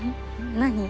何？